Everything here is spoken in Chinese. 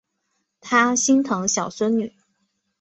他心疼小孙女